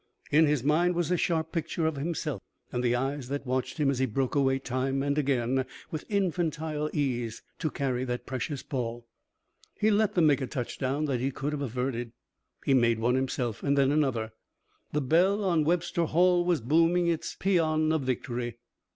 In his mind was a sharp picture of himself and the eyes that watched him as he broke away time and again, with infantile ease, to carry that precious ball. He let them make a touchdown that he could have averted. He made one himself. Then another. The bell on Webster Hall was booming its pæan of victory.